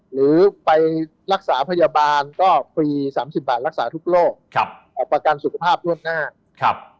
หรือไปรักษาพยาบาลก็ฟรี๓๐บาทรักษาทุกโรคประกันสุขภาพรวดหน้าครับ